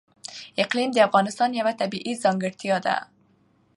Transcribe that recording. اقلیم د افغانستان یوه طبیعي ځانګړتیا ده.